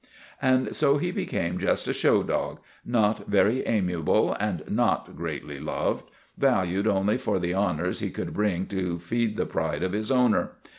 And so he became just a show dog, THE RETURN OF THE CHAMPION 301 not very amiable and not greatly loved, valued only for the honors he could bring to feed the pride of his owner.